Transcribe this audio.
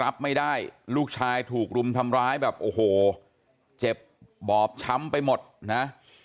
รับไม่ได้ลูกชายถูกรุมทำร้ายแบบโอ้โหเจ็บบอบช้ำไปหมดนะ